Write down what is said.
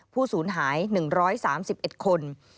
ผู้ศูนย์หาย๑๓๑คน